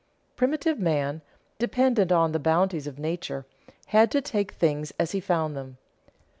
_ Primitive man, dependent on the bounties of nature, had to take things as he found them.